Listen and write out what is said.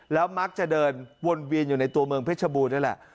แล้วมักจะเดินวนเวียนอยู่ในตัวเมืองเพชรบูรณนี่แหละ